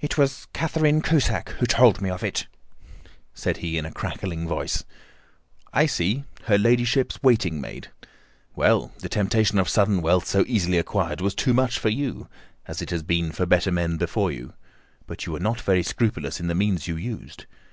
"It was Catherine Cusack who told me of it," said he in a crackling voice. "I see—her ladyship's waiting maid. Well, the temptation of sudden wealth so easily acquired was too much for you, as it has been for better men before you; but you were not very scrupulous in the means you used.